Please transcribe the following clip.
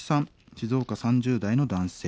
静岡３０代の男性。